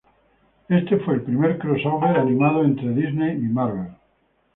Este fue el primer crossover animado entre Disney y Marvel.